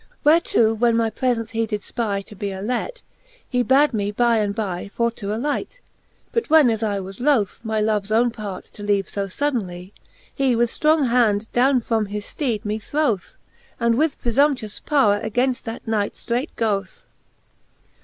Whereto when as my presence he did ipy To be a let, he bad me by and by For to alight: but when as I was loth, My loves owne part to leave fb fuddenly, He with ftrong hand down fro his fteed me throw'th, And with prefumpteous powre againft that knight ftreight go'th.